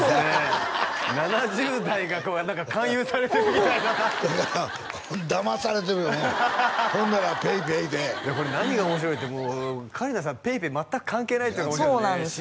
７０代が何か勧誘されてるみたいなだまされてるほんならＰａｙＰａｙでこれ何が面白いってもう香里奈さんＰａｙＰａｙ全く関係ないっていうのが面白いですね